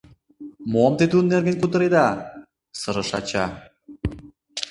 — Мо-ом те тудын нерген кутыреда! — сырыш ача.